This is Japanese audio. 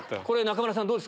これ中村さん